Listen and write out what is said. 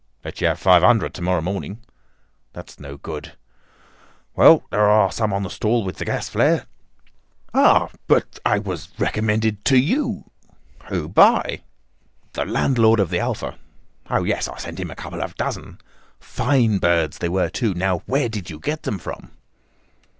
"Let you have five hundred to morrow morning." "That's no good." "Well, there are some on the stall with the gas flare." "Ah, but I was recommended to you." "Who by?" "The landlord of the Alpha." "Oh, yes; I sent him a couple of dozen." "Fine birds they were, too. Now where did you get them from?"